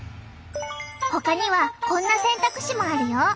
ほかにはこんな選択肢もあるよ。